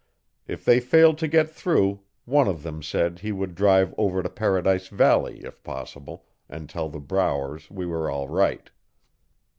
If they failed to get through, one of them said he would drive over to Paradise Valley, if possible, and tell the Browers we were all right.